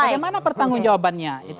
bagaimana pertanggung jawabannya